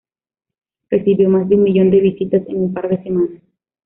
Recibió más de un millón de visitas en un par de semanas.